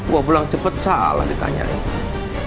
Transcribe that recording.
gua pulang cepet salah ditanyain